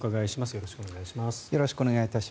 よろしくお願いします。